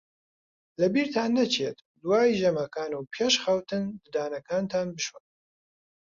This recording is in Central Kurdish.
لەبیرتان نەچێت دوای ژەمەکان و پێش خەوتن ددانەکانتان بشۆن.